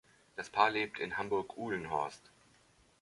Das Paar lebt in Hamburg-Uhlenhorst.